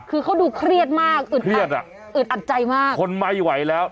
คือเขาดูเครียดมากเชื่อแล้วอึดอันใจมากคนไม่ไหวแล้ว